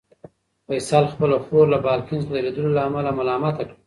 فیصل خپله خور له بالکن څخه د لیدلو له امله ملامته کړه.